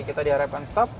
kita diarekan stop